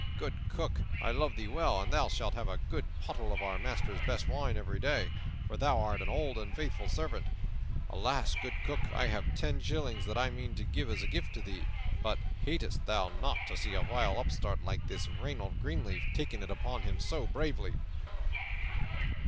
Good Cook, I love thee well, and thou shalt have a good pottle of our master's best wine every day, for thou art an old and faithful servant. Also, good Cook, I have ten shillings that I mean to give as a gift to thee. But hatest thou not to see a vile upstart like this Reynold Greenleaf taking it upon him so bravely?"